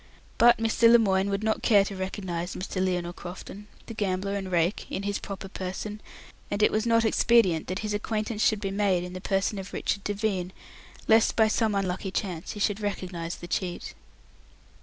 But Mr. Lemoine would not care to recognize Mr. Lionel Crofton, the gambler and rake, in his proper person, and it was not expedient that his acquaintance should be made in the person of Richard Devine, lest by some unlucky chance he should recognize the cheat.